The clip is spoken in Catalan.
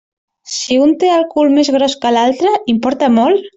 Si un té el cul més gros que l'altre, importa molt?